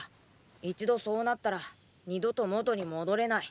一度そうなったら二度と元に戻れない。